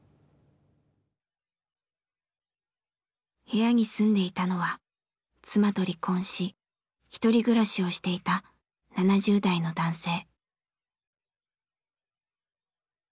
部屋に住んでいたのは妻と離婚しひとり暮らしをしていた７０代の男性。